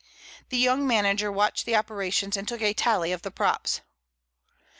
The young manager watched the operations and took a tally of the props.